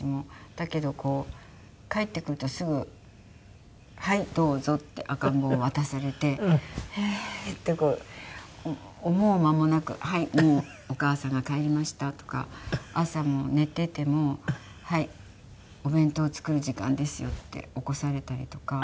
だけど帰ってくるとすぐ「はいどうぞ」って赤ん坊を渡されてはあーって思う間もなく「はい。もうお母さんが帰りました」とか朝も寝ていても「はい。お弁当を作る時間ですよ」って起こされたりとか。